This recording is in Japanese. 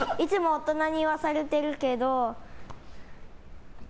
大人に言わされてるけど。